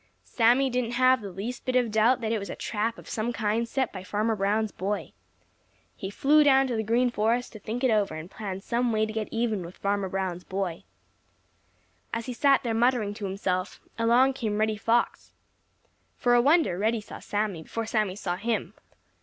Sammy didn't have the least bit of doubt that it was a trap of some kind set by Farmer Brown's boy. He flew down to the Green Forest to think it over and plan some way to get even with Farmer Brown's boy. As he sat there muttering to himself, along came Reddy Fox. For a wonder Reddy saw Sammy before Sammy saw him.